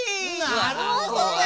なるほど。